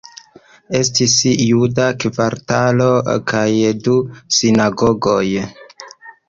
Estis juda kvartalo kaj du sinagogoj.